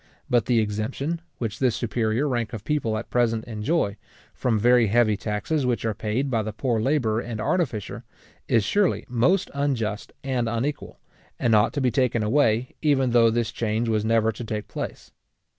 But the exemption, which this superior rank of people at present enjoy, from very heavy taxes which are paid by the poor labourer and artificer, is surely most unjust and unequal, and ought to be taken away, even though this change was never to take place.